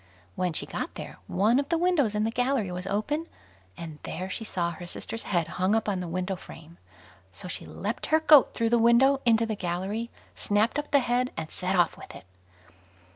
When she got there, one of the windows in the gallery was open, and there she saw her sister's head hung up on the window frame; so she leapt her goat through the window into the gallery, snapped up the head, and set off with it.